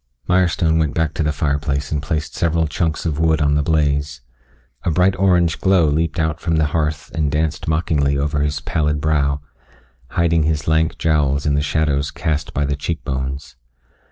Mirestone went back to the fireplace and placed several chunks of wood on the blaze. A bright orange glow leaped out from the hearth and danced mockingly over his pallid brow, hiding his lank jowls in the shadows cast by the cheekbones.